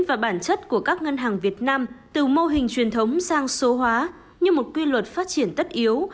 và bản chất của các ngân hàng việt nam từ mô hình truyền thống sang số hóa như một quy luật phát triển tất yếu